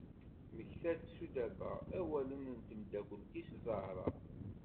Temekta-d Sudaba awalen n temdakelt-is Zahra.